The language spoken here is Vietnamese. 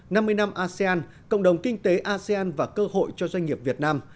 năm mươi năm asean cộng đồng kinh tế asean và cơ hội cho doanh nghiệp việt nam